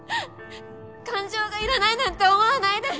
感情がいらないなんて思わないで！